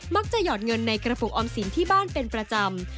หยอดเงินในกระปุกออมสินที่บ้านเป็นประจำ